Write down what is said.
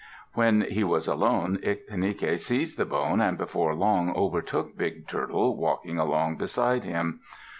_" When he was alone, Ictinike seized the bone, and before long overtook Big Turtle, walking along beside him.